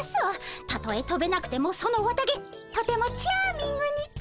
たとえとべなくてもその綿毛とてもチャーミングにて。